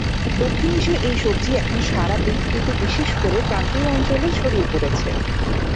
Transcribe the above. দক্ষিণ এশীয় এই সবজি এখন সারা পৃথিবীতে বিশেষ করে ক্রান্তীয় অঞ্চলে ছড়িয়ে পড়েছে।